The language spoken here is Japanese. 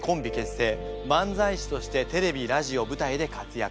漫才師としてテレビラジオ舞台で活躍。